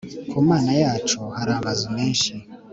ku mana yacu, har' amazu menshi